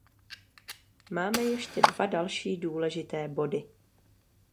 Máme ještě dva další důležité body.